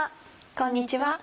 こんにちは。